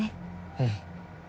うん。